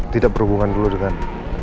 tidak berhubungan dulu dengan